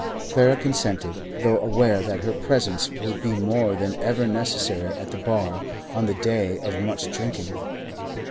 Clara consented, though aware that her presence would be more than ever necessary at the bar on the day of much drinking.